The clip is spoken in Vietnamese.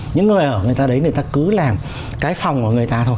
những nơi ở người ta đấy người ta cứ làm cái phòng của người ta thôi